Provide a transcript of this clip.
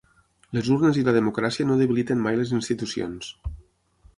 Les urnes i la democràcia no debiliten mai les institucions.